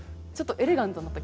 エレガントになった。